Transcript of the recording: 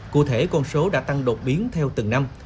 cụ thể con số đã tăng đột biến theo từng năm